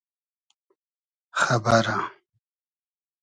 خئبئرۂ